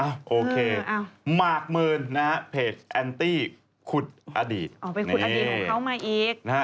หรือจะเป็นสิทธา